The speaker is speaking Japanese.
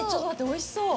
おいしそう。